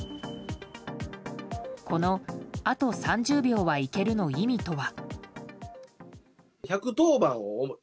この、あと３０秒はいけるの意味とは？